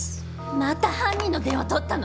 また犯人の電話取ったの？